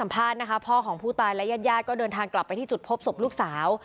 เราขอให้พ่อบอกว่าพ่ออยากไปข้อความคิดว่า